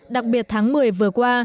đặc biệt tháng một mươi vừa qua